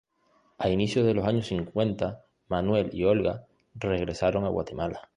A inicios de los años cincuenta Manuel y Olga regresaron a Guatemala.